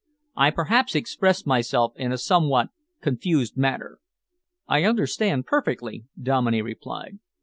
I perhaps express myself in a somewhat confused manner." "I understand perfectly," Dominey replied.